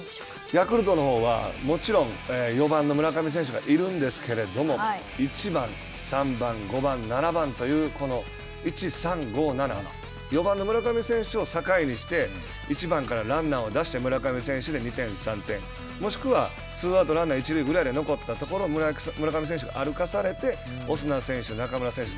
ヤクルトのほうはもちろん４番の村上選手がいるんですけれども１番、３番、５番、７番というこの１、３、５、７、４番の村上選手を境にして１番からランナーを出し、村上選手で２点、３点、もしくはツーアウト、ランナー一塁で残ったところ村上選手が歩かされてオスナ選手、中村選手